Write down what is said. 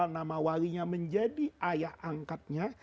nama walinya menjadi ayah angkatnya